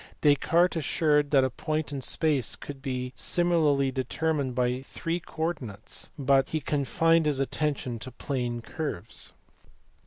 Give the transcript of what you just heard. Descartes asserted that a point in space could be similarly determined by three coordinates, but he confined his attention to plane curves.